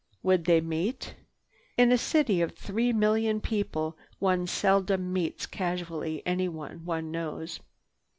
Would they meet? In a city of three million, one seldom meets casually anyone one knows.